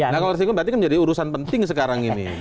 nah kalau risiko berarti kan menjadi urusan penting sekarang ini